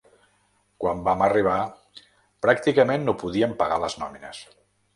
Quan vam arribar pràcticament no podíem pagar les nòmines.